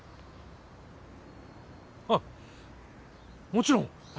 あっもちろん。